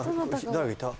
誰かいた。